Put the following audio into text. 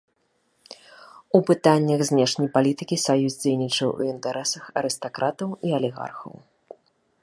У пытаннях знешняй палітыкі саюз дзейнічаў у інтарэсах арыстакратаў і алігархаў.